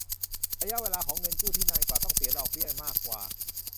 ระยะเวลาของเงินกู้ที่นานกว่าต้องเสียดอกเบี้ยมากกว่า